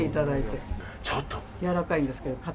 やわらかいんですけど。